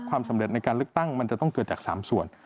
ความสำเร็จในการเลือกตั้งมันจะต้องเกิดจาก๓ส่วน